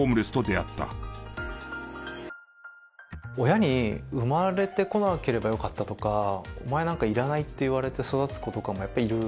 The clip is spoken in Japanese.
親に生まれてこなければよかったとかお前なんかいらないって言われて育つ子とかもやっぱいる。